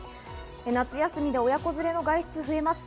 夏休みで親子連れの外出が増えます。